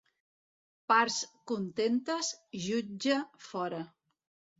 Parts contentes, jutge fora.